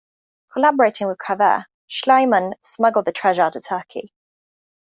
Collaborating with Calvert, Schliemann smuggled the treasure out of Turkey.